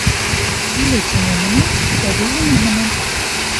Тиле тиңе менән, итәге-еңе менән.